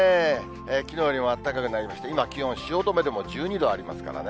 きのうよりもあったかくなりまして、今、気温、汐留でも１２度ありますからね。